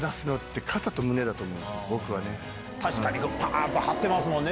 確かにパン！と張ってますもんね。